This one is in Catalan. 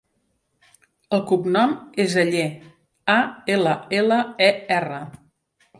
El cognom és Aller: a, ela, ela, e, erra.